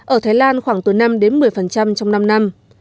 ở thái lan khoảng từ năm đến một mươi trong năm năm